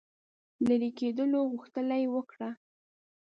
لیري کېدلو غوښتنه یې وکړه.